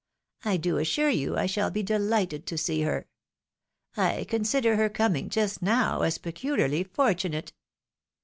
I do assure you I shall be dehghted to see her. I consider her coming just now as peculi arly fortunate."